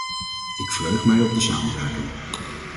Ik verheug mij op de samenwerking.